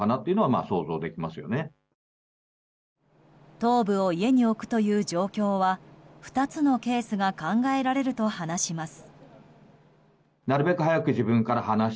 頭部を家に置くという状況は２つのケースが考えられると話します。